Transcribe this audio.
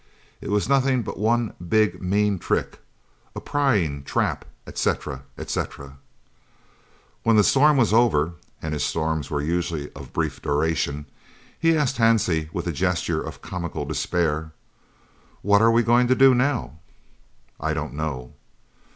It was nothing but one big mean trick, a prying trap," etc., etc. When the storm was over (and his storms were usually of brief duration) he asked Hansie, with a gesture of comical despair: "What are we going to do now?" "I don't know."